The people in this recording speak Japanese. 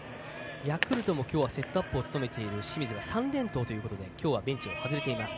ヤクルトもセットアップを務めている清水が３連投ということできょうはベンチを外れています。